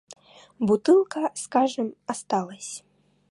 Бутылка, скажем, осталась.